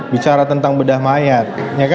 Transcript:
bicara tentang bedah mayat